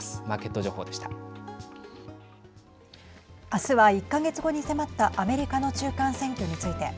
明日は１か月後に迫ったアメリカの中間選挙について。